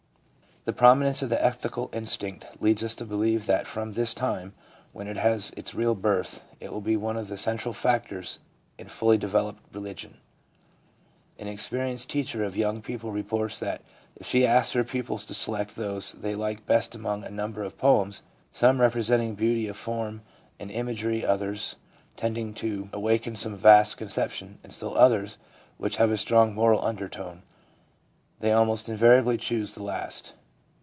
The prominence of the ethical instinct leads us to believe that from this time, when it has its real birth, it will be one of the central factors in fully developed religion. An experienced teacher of young people reports that if she asks her pupils to select those they like best among a number of poems — some representing beauty of form and imagery, others tending to awaken some vast con ception, and still others which have a strong moral undertone — they almost invariably choose the last.